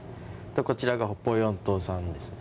こちらが北方四島産ですね。